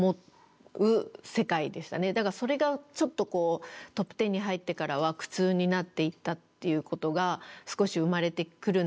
だからそれがちょっとこうトップ１０に入ってからは苦痛になっていったっていうことが少し生まれてくるんですけれども。